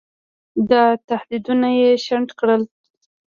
دا تهدیدونه یې شنډ کړل.